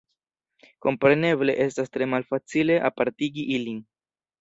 Kompreneble estas tre malfacile apartigi ilin.